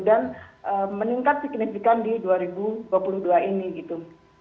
dan meningkat signifikan di dua ribu dua puluh dua ini gitu